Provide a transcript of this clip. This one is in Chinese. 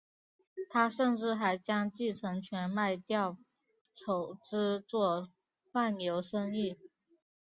他甚至还将继承权卖掉筹资做贩牛生意。